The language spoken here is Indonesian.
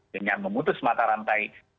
dengan memutus mata rantai